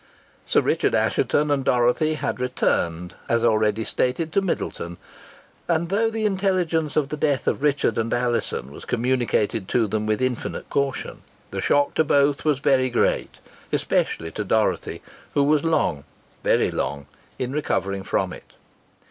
Sir Richard Assheton and Dorothy had returned, as already stated, to Middleton; and, though the intelligence of the death of Richard and Alizon was communicated to them with infinite caution, the shock to both was very great, especially to Dorothy, who was long very long in recovering from it.